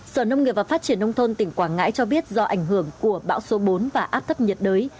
sở nông nghiệp và phát triển nông thôn tỉnh quảng ngãi cho biết do ảnh hưởng của bão số bốn và áp thấp nhiệt đới